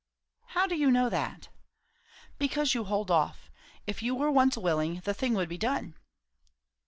"How do you know that?" "Because you hold off. If you were once willing, the thing would be done."